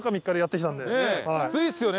きついですよね